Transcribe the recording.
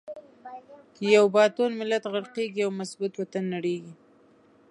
یو باتور ملت غر قیږی، یو مضبوط وطن نړیږی